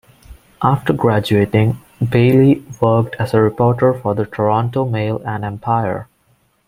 After graduating, Bailey worked as a reporter for the "Toronto Mail and Empire".